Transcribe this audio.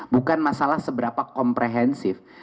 bukan masalah seberapa komprehensif